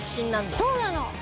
そうなの。